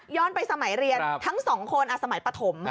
ไปสมัยเรียนทั้ง๒คนสมัยปฐม